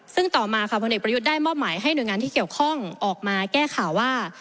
ซึ่งต่อมาค่ะพลเอกประยุทธ์ได้มอบหมายให้หน่วยงานที่เกี่ยวข้องออกมาแก้ข่าวว่า